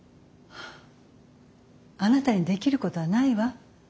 あなたにできることはないわ。